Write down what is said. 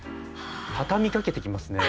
畳みかけてきますね。